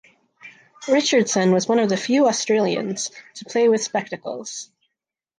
Richardson was one of the few Australians to play with spectacles.